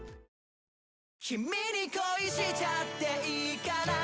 キミに恋しちゃっていいかな？